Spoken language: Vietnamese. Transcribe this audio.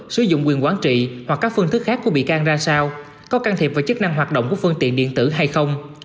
sử dụng quyền quản trị hoặc các phương thức khác của bị can ra sao có can thiệp vào chức năng hoạt động của phương tiện điện tử hay không